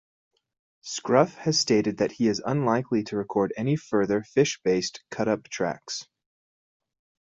Scruff has stated that he is unlikely to record any further fish-based cut-up tracks.